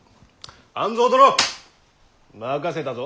半蔵殿任せたぞ。